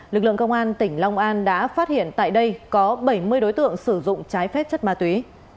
lực lượng công an tỉnh long an đã phát hiện tại đây có bảy mươi đối tượng sử dụng trái phép chất ma túy